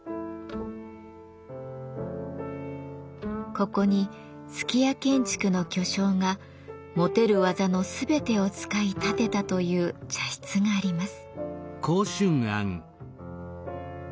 ここに数寄屋建築の巨匠が持てる技の全てを使い建てたという茶室があります。